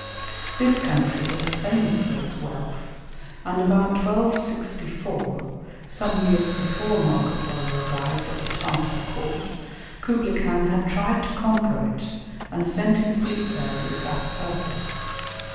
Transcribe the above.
This country was famous for its wealth, and about 1264, some years before Marco Polo arrived at the Tartar court, Kublaï Khan had tried to conquer it and sent his fleet there with that purpose.